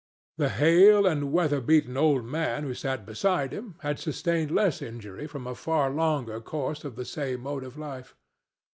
The hale and weatherbeaten old man who sat beside him had sustained less injury from a far longer course of the same mode of life.